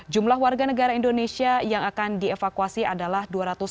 jumlah warga negara indonesia yang akan dievakuasi adalah dua ratus dua puluh